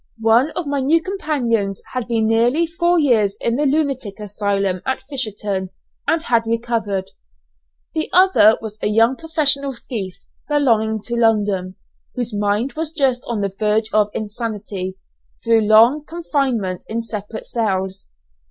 One of my new companions had been nearly four years in the lunatic asylum at Fisherton, and had recovered. The other was a young professional thief, belonging to London, whose mind was just on the verge of insanity, through long confinement in separate cells.